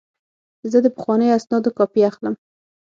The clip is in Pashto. زه د پخوانیو اسنادو کاپي اخلم.